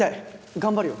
頑張るよ。